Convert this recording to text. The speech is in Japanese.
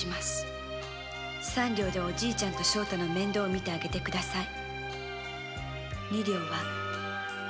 三両でおじいちゃんと正太の面倒を見てあげて下さい。